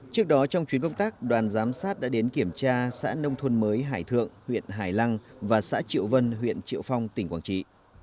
trước đó trong chuyến công tác đoàn giám sát đã đến kiểm tra xã nông thôn mới hải thượng huyện hải lăng và xã triệu vân huyện triệu phong tỉnh quảng trị